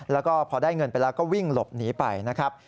แล้วก็พอได้เงินไปแล้วก็วิ่งหลบหนีไปนะครับ